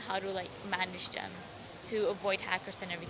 dan bagaimana cara kita mengurusnya untuk mengelakkan hacker dan sebagainya